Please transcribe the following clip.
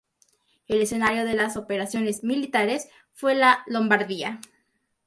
El escenario de las operaciones militares fue la Lombardía.